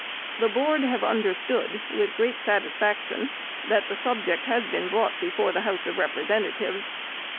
The Board have understood, with great satisfaction, that the subject has been brought before the House of Representatives.